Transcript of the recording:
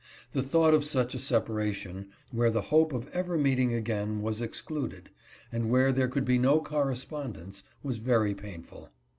The thought of such a separation, where the hope of ever meeting again was excluded, and where there could be no correspondence, was very painful.